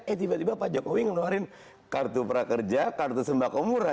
eh tiba tiba pak jokowi ngeluarin kartu prakerja kartu sembako murah